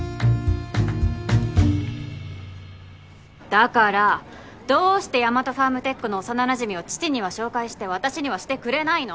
だからどうしてヤマトファームテックの幼なじみを父には紹介して私にはしてくれないの？